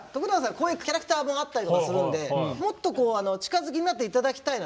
こういうキャラクターもあったりとかするんでもっとこうあのお近づきになって頂きたいな。